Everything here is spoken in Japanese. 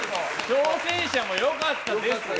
挑戦者も良かったですが。